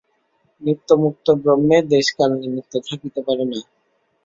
নিত্যমুক্ত ব্রহ্মে দেশ-কাল-নিমিত্ত থাকিতে পারে না।